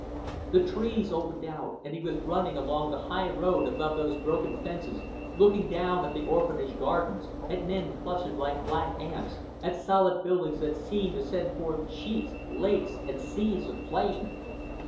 The trees opened out and he was running along the high ground above those broken fences, looking down at the Orphanage gardens, at men clustered like black ants, at solid buildings that seemed to send forth sheets, lakes, and seas of flame.